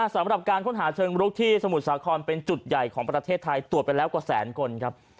สำหรับการค้นหาเชิงรุกที่สมุทรสาครเป็นจุดใหญ่ของประเทศไทยตรวจไปแล้วกว่าแสนคนครับ